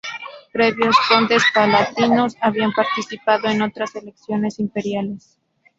Previos condes palatinos habían participado en otras elecciones imperiales.